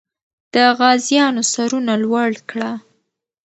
د غازیانو سرونه لوړ کړه.